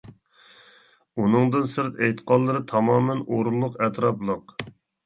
ئۇنىڭدىن سىرت ئېيتقانلىرى تامامەن ئورۇنلۇق، ئەتراپلىق.